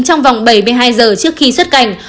trong vòng bảy mươi hai giờ trước khi xuất cảnh